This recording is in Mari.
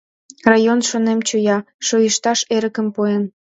Район, шонем, чоя: шойышташ эрыкым пуэн.